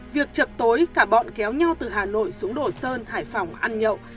việc chập tối cả bọn kéo nhau từ hà nội xuống đồ sơn hải phòng ăn nhậu